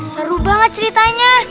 seru banget ceritanya